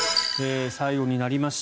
最後になりました。